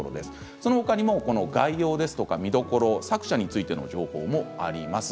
その他にも概要や見どころ作者についての紹介もあります。